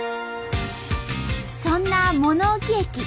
そんな物置駅。